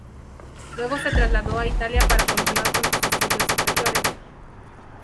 Luego se trasladó a Italia para continuar con sus estudios superiores.